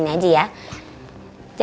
ntar di sini aja ya